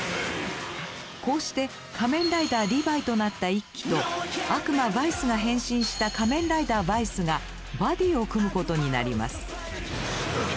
こうして仮面ライダーリバイとなった一輝と悪魔バイスが変身した仮面ライダーバイスがバディーを組むことになります。